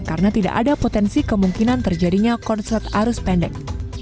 karena tidak ada potensi kemungkinan terjadinya konsert arus pendek